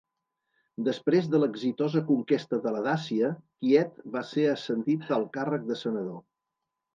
Després de l'exitosa conquesta de la Dàcia, Quiet va ser ascendit al càrrec de senador.